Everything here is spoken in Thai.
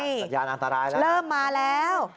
สัญญาณอันตรายแล้วเริ่มมาแล้ว